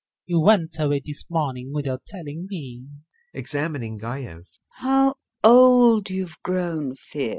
You went away this morning without telling me. [Examining GAEV.] LUBOV. How old you've grown, Fiers!